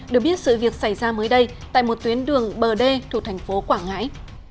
được biết sự việc xảy ra mới đây tại một tuyến đường bờ đê thuộc thành phố quảng ngãi